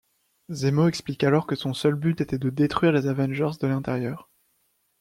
Zemo explique alors que son seul but était de détruire les Avengers de l’intérieur.